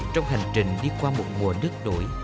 trong hành trình đi qua một mùa nước nổi